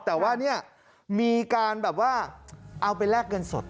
แต่ว่าเนี่ยมีการแบบว่าเอาไปแลกเงินสด